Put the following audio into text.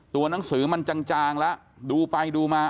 หนังสือมันจางแล้วดูไปดูมา